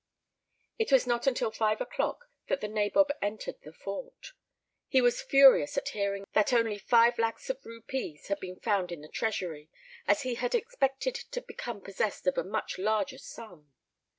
It was not until five o'clock that the nabob entered the fort. He was furious at hearing that only five lacs of rupees had been found in the treasury, as he had expected to become possessed of a much larger sum.